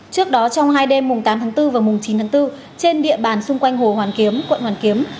trước đó trong hai đêm tám chín tháng bốn trên địa bàn xung quanh hồ hoàn kiếm quận hoàn kiếm